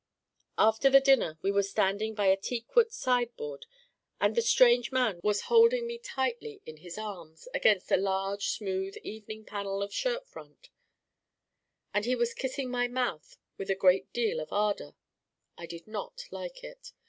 After the dinner we were standing by a teakwood sideboard and the strange man was holding me tightly in his arms against a large smooth evening panel of shirt front, and he was kissing my mouth with a great deal of ardor. I did not like it.